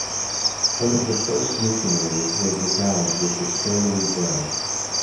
Some of the first missionaries were regaled with this family bread.